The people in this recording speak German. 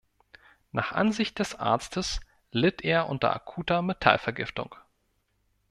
Nach Ansicht des Arztes litt er unter akuter Metallvergiftung.